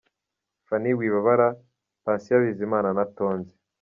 Phanny Wibabara, Patient Bizimana na Tonzi.